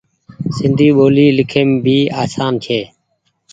سندي ٻولي لکيم ڀي آسان ڇي۔